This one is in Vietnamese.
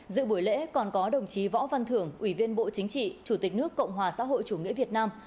dự buổi lễ còn có đồng chí võ văn thưởng ủy viên bộ chính trị chủ tịch nước cộng hòa xã hội chủ nghĩa việt nam